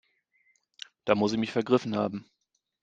Da muss ich mich vergriffen haben.